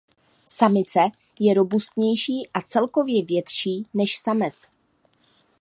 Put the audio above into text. Samice je robustnější a celkově větší než samec.